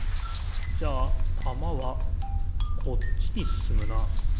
じゃあたまはこっちにすすむな。